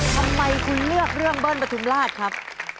ทำไมคุณเลือกเรื่องเบิ้ลประทุมราชครับ